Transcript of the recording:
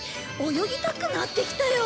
泳ぎたくなってきたよ。